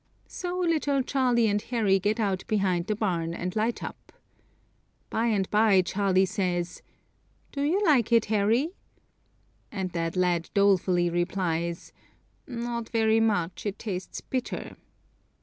So little Charlie and Harry get out behind the barn and light up. By and by Charlie says, "Do you like it, Harry"? And that lad dolefully replies, "Not very much; it tastes bitter."